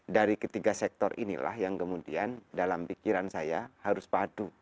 dari ketiga sektor inilah yang kemudian dalam pikiran saya harus padu